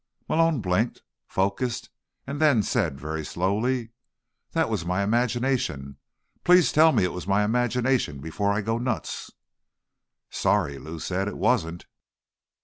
Malone blinked, focused and then said, very slowly, "That was my imagination. Please tell me it was my imagination before I go nuts." "Sorry," Lou said. "It wasn't."